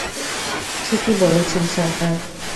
ঠিকই বলেছেন, সরকার।